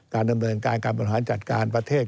การดำเนินการการบริหารจัดการประเทศ